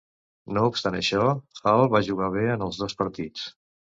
No obstant això, Hall va jugar bé en els dos partits.